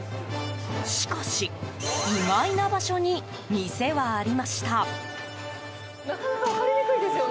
しかし、意外な場所に店はありました。